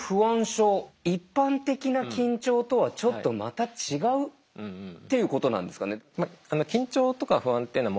症一般的な緊張とはちょっとまた違うっていうことなんですかね？